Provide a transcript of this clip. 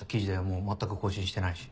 もう全く更新してないし。